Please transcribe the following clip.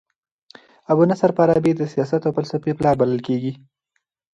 ابو نصر فارابي د سیاست او فلسفې پلار بلل کيږي.